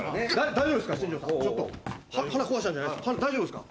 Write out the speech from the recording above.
大丈夫ですか？